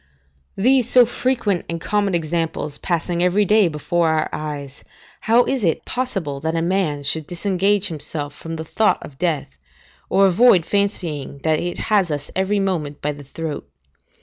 These so frequent and common examples passing every day before our eyes, how is it possible a man should disengage himself from the thought of death, or avoid fancying that it has us every moment by the throat?